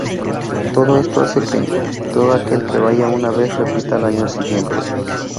Todo esto hace que, todo aquel que vaya una vez repita al año siguiente.